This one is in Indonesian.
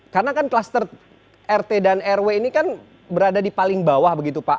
karena kan kluster rt dan rw ini kan berada di paling bawah begitu pak